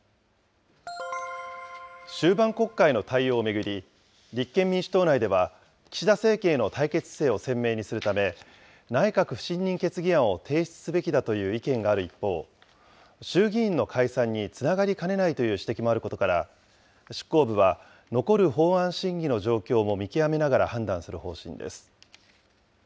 終盤国会の対応を巡り、立憲民主党内では、岸田政権への対決姿勢を鮮明にするため、内閣不信任決議案を提出すべきだという意見がある一方、衆議院の解散につながりかねないという指摘もあることから、執行部は、残る法案審議の状況も見極めながら判断する方針です。